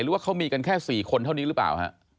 หรือว่าเขามีกันแค่๔คนเท่านี้หรือเปล่าฮะ